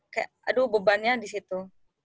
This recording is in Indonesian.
kayak aduh bebannya disitu